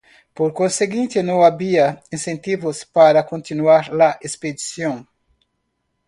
Por consiguiente, no había incentivos para continuar la expedición.